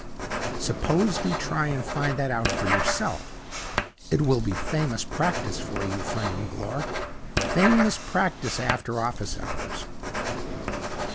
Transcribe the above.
Suppose you try and find that out for yourself. It will be famous practice for you, friend Magloire famous practice after office hours."